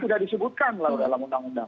itu sudah disebutkan dalam undang undang